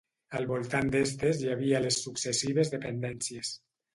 Al voltant d'estes hi havia les successives dependències.